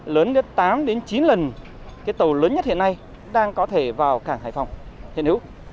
lớn đến tám đến chín lần cái tàu lớn nhất hiện nay đang có thể vào cảng hải phòng hiện hữu